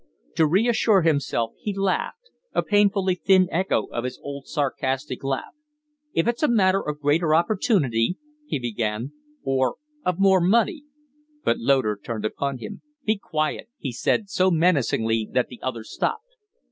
To reassure himself he laughed a painfully thin echo of his old, sarcastic laugh. "If it's a matter of greater opportunity " he began, "of more money " But Loder turned upon him. "Be quiet!" he said, so menacingly that the other stopped.